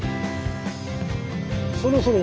そろそろ？